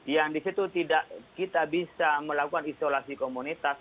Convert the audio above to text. yang di situ tidak kita bisa melakukan isolasi komunitas